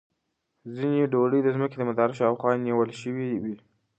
ځینې دوړې د ځمکې مدار شاوخوا نیول شوې وي.